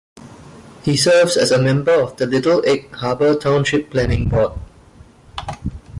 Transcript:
He serves as a member of the Little Egg Harbor Township Planning Board.